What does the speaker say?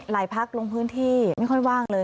พักลงพื้นที่ไม่ค่อยว่างเลย